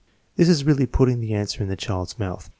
" This is really putting the answer in the child's mouth.